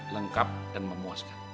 lengkap dan memuaskan